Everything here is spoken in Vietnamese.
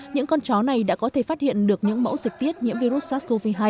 những con chó này đã có thể phát hiện được những mẫu dịch tiết nhiễm virus sars cov hai